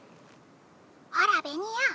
「ほらベニオ！